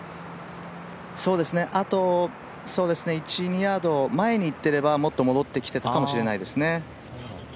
あと１２ヤード前にいっていれば戻ってきていたかもしれないです。